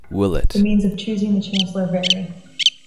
The means of choosing the Chancellor vary.